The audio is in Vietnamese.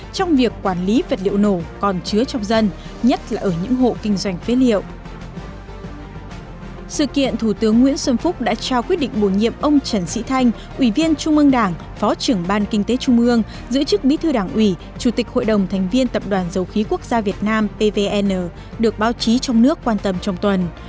trần sĩ thanh ủy viên trung mương đảng phó trưởng ban kinh tế trung mương giữ chức bí thư đảng ủy chủ tịch hội đồng thành viên tập đoàn dầu khí quốc gia việt nam pvn được báo chí trong nước quan tâm trong tuần